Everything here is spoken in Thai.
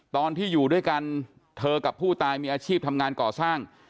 ตอนที่อยู่ด้วยกันเธอกับผู้ตายมีอาชีพทำงานก่อสร้าง